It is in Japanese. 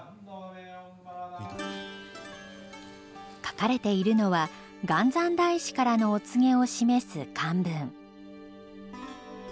書かれているのは元三大師からのお告げを示す漢文。